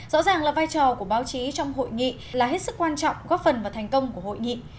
rõ ràng là vai trò của báo chí trong hội nghị là hết sức quan trọng góp phần vào thành công của hội nghị